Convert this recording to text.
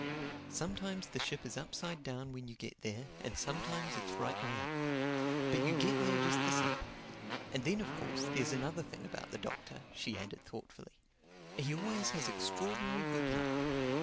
Sometimes the ship is upside down when you get there, and sometimes it's right way up. But you get there just the same. And then of course there's another thing about the Doctor," she added thoughtfully: "he always has extraordinary good luck.